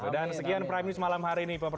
dan sekian prime news malam hari ini